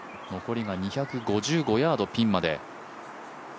残りが２５５ヤード、ピンまで。